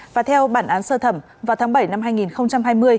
và theo bản án sơ thẩm vào tháng bảy năm hai nghìn hai mươi